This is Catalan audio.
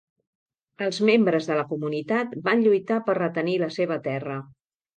Els membres de la comunitat van lluitar per retenir la seva terra.